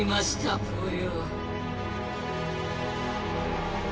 ぽよ！